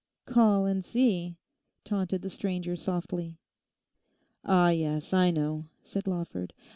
'Call and see!' taunted the stranger softly. 'Ah, yes, I know,' said Lawford.